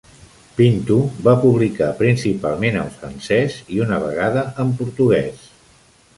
Pinto va publicar principalment en francès i una vegada en portuguès.